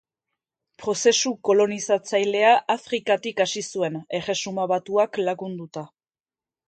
Prozesu kolonizatzailea Afrikatik hasi zuen Erresuma Batuak lagunduta.